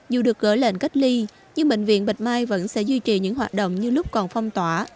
dù được gỡ lệnh cách ly nhưng bệnh viện bạch mai vẫn sẽ duy trì những hoạt động như lúc còn phong tỏa